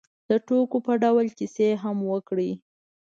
د ټوکو په ډول کیسې هم وکړې.